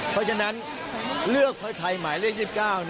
เพราะฉะนั้นเลือกเพื่อไทยหมายเลข๒๙